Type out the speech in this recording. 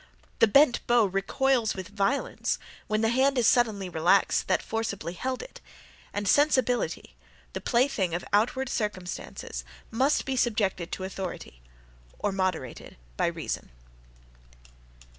The bent bow recoils with violence, when the hand is suddenly relaxed that forcibly held it: and sensibility, the plaything of outward circumstances, must be subjected to authority, or moderated by reason.